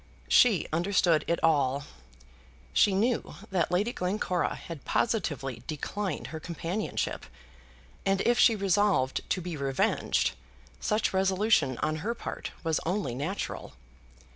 She understood it all. She knew that Lady Glencora had positively declined her companionship; and if she resolved to be revenged, such resolution on her part was only natural.